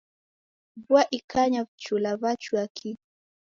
Vua ikanya vichula vachua ki.